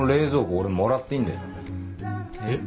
俺もらっていいんだよな？え？